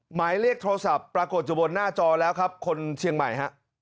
หมายเลขโทรศัพท์ปรากฏอยู่บนหน้าจอแล้วครับคนเชียงใหม่ฮะ